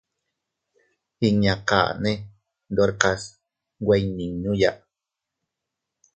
Inñakane ndorkas iynweiyninuya.